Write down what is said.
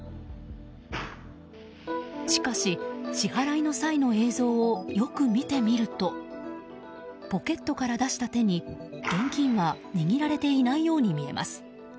しかし、支払いの際の映像をよく見てみるとポケットから出した手に、現金は握られていないように見えます。